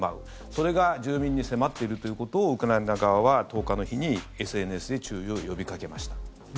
それが住民に迫っているということをウクライナ側は１０日の日にＳＮＳで注意を呼びかけました。